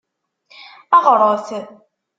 Ɣret!